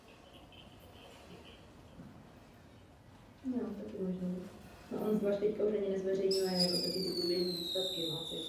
Přitom se nabízí mnoho různých témat.